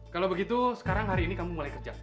kalau begitu sekarang hari ini kamu mulai kerja